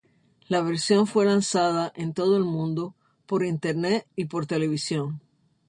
La versión fue lanzada en todo el mundo, por Internet y por televisión.